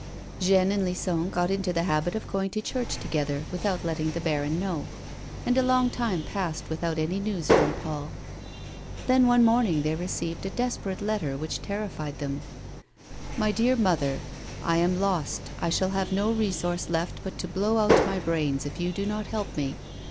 Jeanne and Lison got into the habit of going to church together without letting the baron know ; and a long time passed without any news from Paul. Then, one morning they received a desperate letter which terrified them. " My Dear Mother. — I am lost ; I shall have no resource left but to blow out my brains if you do not help me.